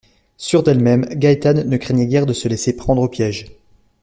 Sûre d’elle-même, Gaétane ne craignait guère de se laisser prendre au piège.